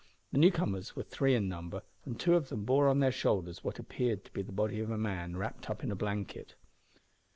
The newcomers were three in number, and two of them bore on their shoulders what appeared to be the body of a man wrapped up in a blanket.